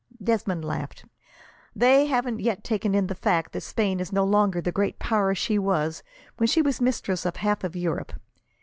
Desmond laughed. "They haven't yet taken in the fact that Spain is no longer the great power she was when she was mistress of half of Europe.